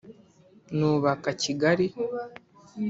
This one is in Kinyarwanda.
nubaka Kigali